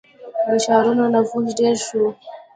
• د ښارونو نفوس ډېر شو.